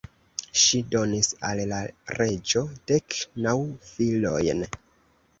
Ŝi donis al la reĝo dek naŭ filojn.